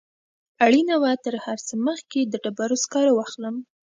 اړینه وه تر هر څه مخکې د ډبرو سکاره واخلم.